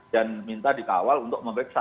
dan minta dikawal untuk memeriksa